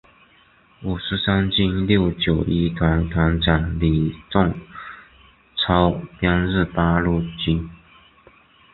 五十三军六九一团团长吕正操编入八路军。